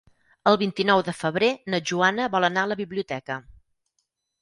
El vint-i-nou de febrer na Joana vol anar a la biblioteca.